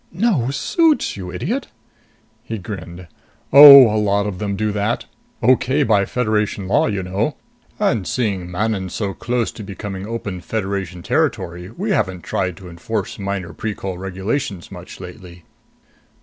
"No suits, you idiot!" He grinned. "Oh, a lot of them do that. Okay by Federation law, you know. And seeing Manon's so close to becoming open Federation territory, we haven't tried to enforce minor Precol regulations much lately."